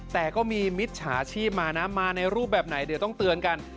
แต่ก็มีมิจฉาชีพมานะมาในรูปแบบไหนเดี๋ยวต้องเตือนกัน